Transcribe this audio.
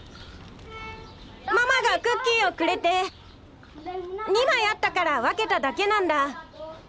ママがクッキーをくれて２枚あったから分けただけなんだ。